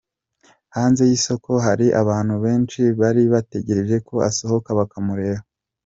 Hanze y'isoko hari abantu benshi bari bategereje ko asohoka bakamureba.